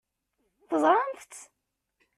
Teẓṛamt-t?